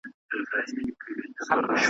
په درمل پسي د سترګو یې کتله .